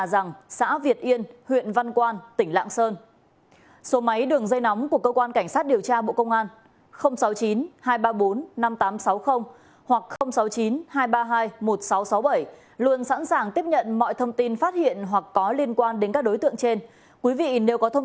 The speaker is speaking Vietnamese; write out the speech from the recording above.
văn phòng cơ quan cảnh sát điều tra bộ công an phối hợp thực hiện